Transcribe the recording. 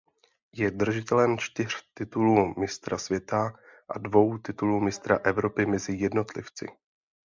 Je držitelem čtyř titulů mistra světa a dvou titulů mistra Evropy mezi jednotlivci.